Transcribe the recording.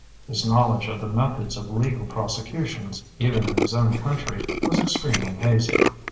His knowledge of the methods of legal prosecutions, even in his own country, was extremely hazy.